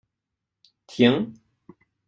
Tiens